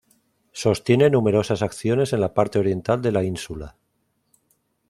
Sostiene numerosas acciones en la parte oriental de la ínsula.